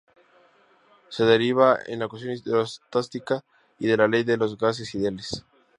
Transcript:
Se deriva de la ecuación hidrostática y de la ley de los gases ideales.